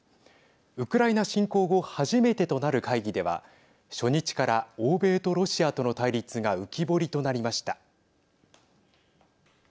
ウクライナ侵攻後初めてとなる会議では初日から欧米とロシアとの対立が浮き彫りとなりました。